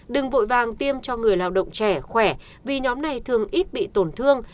đừng vội vàng tiêm cho người lao động trẻ khỏe vì nhóm này thường ít bị tổn thương